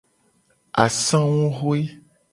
Asanguxue.